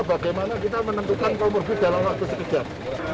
bagaimana kita menentukan komorbid dalam waktu sekejap